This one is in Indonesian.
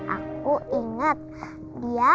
aku ingat dia